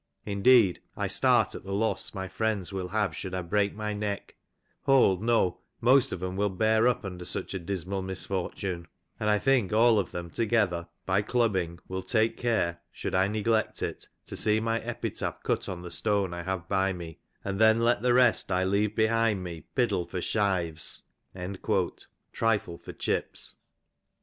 . Indeed I start at the loss my friends will have should I break my neck — hold, no, most of ''em will ' bear up under such a dismal misfortune ; and I think all of them '* together (by clubbing) will take care (should I neglect it) to see ^ my epitaph cut on the stone I have by me, and then let the rest I *■ leave behind me piddle for shives"" (trifle for chips).